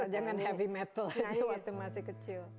jangan heavy metal aja waktu masih kecil